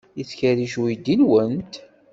Yettkerric uydi-nwent?